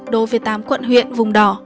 đối với tám quận huyện vùng đỏ